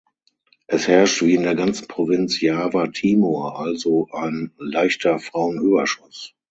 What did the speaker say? Es herrscht wie in der ganzen Provinz Jawa Timur also ein leichter Frauenüberschuss.